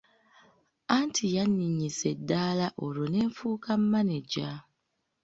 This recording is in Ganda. Anti yanninnyisa eddaala olwo ne nfuuka maneja.